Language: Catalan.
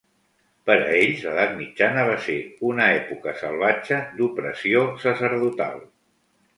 Per a ells, l'Edat Mitjana va ser una època salvatge d'opressió sacerdotal.